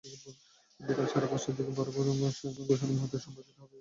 বিকেল সাড়ে পাঁচটায় সেরা বারো ঘোষণার মুহূর্তটি সম্প্রচারিত হবে ইনডিপেনডেন্ট টেলিভিশনে।